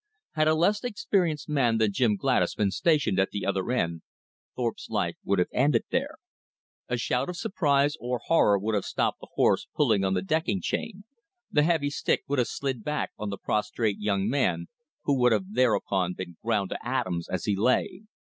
Had a less experienced man than Jim Gladys been stationed at the other end, Thorpe's life would have ended there. A shout of surprise or horror would have stopped the horse pulling on the decking chain; the heavy stick would have slid back on the prostrate young man, who would have thereupon been ground to atoms as he lay.